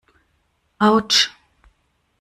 Autsch!